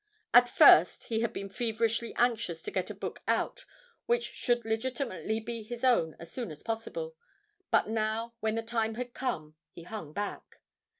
At first he had been feverishly anxious to get a book out which should be legitimately his own as soon as possible, but now, when the time had come, he hung back.